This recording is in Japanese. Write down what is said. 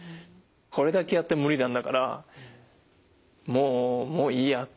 これだけやって無理なんだからもうもういいやと思って。